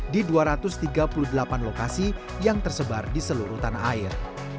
di dua ratus tiga puluh delapan lokasi yang tersebar